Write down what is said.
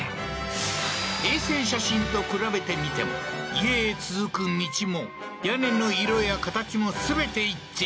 衛星写真と比べてみても家へ続く道も屋根の色や形も全て一致